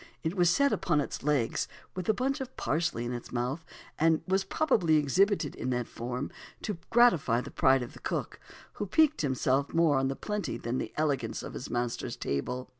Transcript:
It was set upon its legs, with a bunch of parsley in its mouth, and was probably exhibited in that form to gratify the pride of the cook, who piqued himself more on the plenty than the elegance of his master's table.